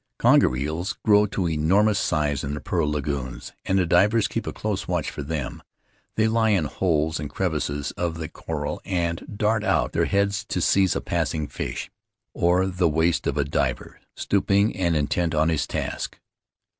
"Conger eels grow to enormous size in the pearl lagoous, and the divers keep a close watch for them. They lie in holes and crevices of the coral and dart out their heads to seize a passing fish, or the wrist of a diver stooping and intent on his task.